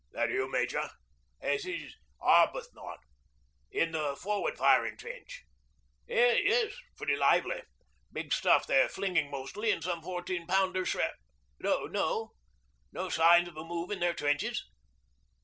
'... That you, Major? ... Yes, this is Arbuthnot. ... In the forward firing trench. ... Yes, pretty lively ... big stuff they're flinging mostly, and some fourteen pounder shrap. ... No, no signs of a move in their trenches.